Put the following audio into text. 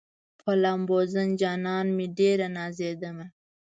په لامبوزن جانان مې ډېره نازېدمه